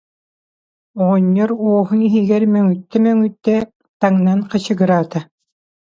Оҕонньор уоһун иһигэр мөҥүттэ-мөҥүттэ таҥнан хачыгыраата.